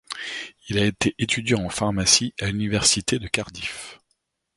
Il a été étudiant en pharmacie à l'Université de Cardiff.